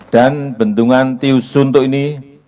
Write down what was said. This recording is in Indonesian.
dan bendungan tiusuntuk ini